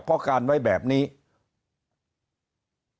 เพราะสุดท้ายก็นำไปสู่การยุบสภา